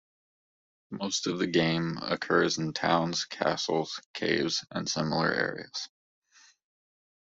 Most of the game occurs in towns, castles, caves, and similar areas.